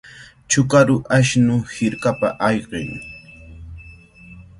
Chukaru ashnu hirkapa ayqin.